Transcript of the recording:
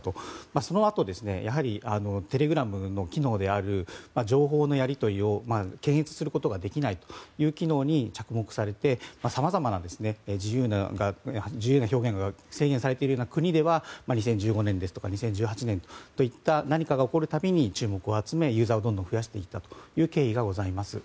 そのあとテレグラムの機能である情報のやり取りを検閲することができないという機能に着目されてさまざまな自由な表現が制限されているような国では２０１５年、２０１８年といった何かが起こるたびに注目を集めユーザーを増やしていった経緯がございます。